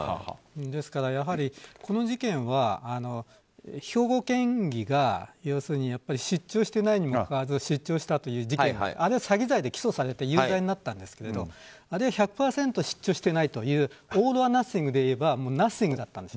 ですから、やはりこの事件は兵庫県議が出張してないのにもかかわらず出張したという事件あれは詐欺罪で起訴されて有罪になったんですがあれは１００％出張していないというオールオアナッシングでいえばナッシングだったんです。